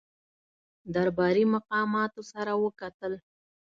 درباري مقاماتو سره وکتل.